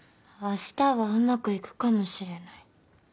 あしたはうまくいくかもしれない。